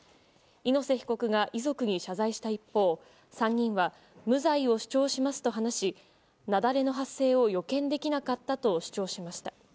猪瀬被告が遺族に謝罪した一方３人は無罪を主張しますと話し雪崩の発生を予見できなかったと主張しました。